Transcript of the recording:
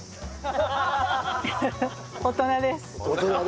「大人です」。